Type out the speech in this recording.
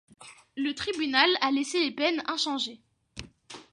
Le tribunal a laissé les peines inchangées.